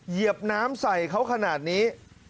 เหยียบน้ำใส่เขาขนาดนี้